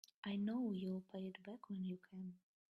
I know you'll pay it back when you can.